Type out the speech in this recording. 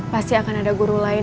pasti akan ada guru lain